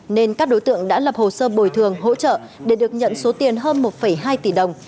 nên các đối tượng đã lập hồ sơ bồi thường hỗ trợ để được nhận số tiền hơn một hai tỷ đồng